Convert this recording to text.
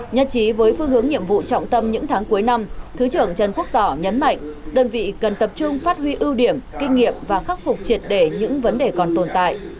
nhất trí với phương hướng nhiệm vụ trọng tâm những tháng cuối năm thứ trưởng trần quốc tỏ nhấn mạnh đơn vị cần tập trung phát huy ưu điểm kinh nghiệm và khắc phục triệt để những vấn đề còn tồn tại